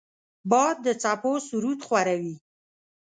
باد د څپو سرود خواره وي